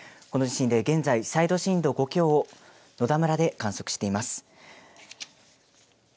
この地震で現在、最大震度５強を野田村で観測しています。